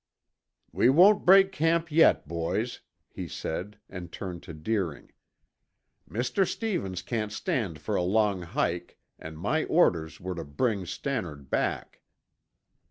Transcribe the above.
"We won't break camp yet, boys," he said and turned to Deering. "Mr. Stevens can't stand for a long hike and my orders were to bring Stannard back."